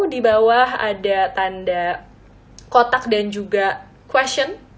di bawah ada tanda kotak dan juga question